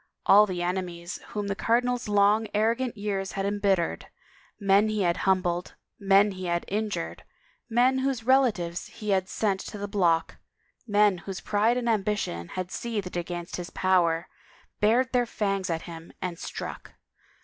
All the enemies whom the cardinal's long, arrogant years had embittered, men he had himibled, men he had in jured, men whose relatives he had sent to the block, men whose pride and ambition had seethed against his power, bared their fangs at him and struck.